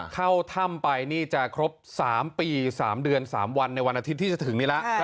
เข้าถ้ำไปนี่จะครบ๓ปี๓เดือน๓วันในวันอาทิตย์ที่จะถึงนี้แล้ว